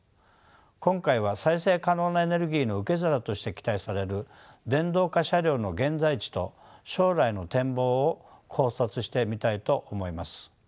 今回は再生可能なエネルギーの受け皿として期待される電動化車両の現在地と将来の展望を考察してみたいと思います。